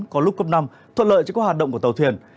có lúc cấp năm thuận lợi cho các hoạt động của tàu thuyền